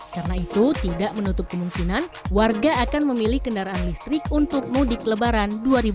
karena itu tidak menutup kemungkinan warga akan memilih kendaraan listrik untuk mudik lebaran dua ribu dua puluh tiga